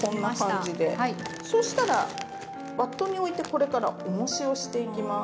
そうしたらバットにおいてこれからおもしをしていきます。